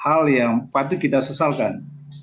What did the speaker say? hal yang patut kita sesalkan